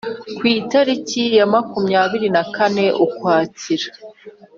ku itariki ya makumyabiri n' kane ukwakira